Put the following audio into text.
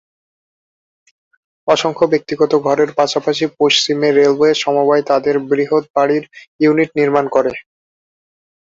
অসংখ্য ব্যক্তিগত ঘরের পাশাপাশি, পশ্চিমে রেলওয়ে সমবায় তাদের বৃহৎ বাড়ির ইউনিট নির্মাণ করে।